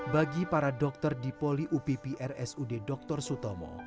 bagi para dokter di poli uppr sud dr sutomo